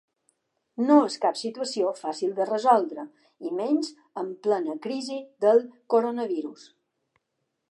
No és cap situació fàcil de resoldre, i menys en plena crisi del coronavirus.